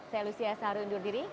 saya lucia saru undur diri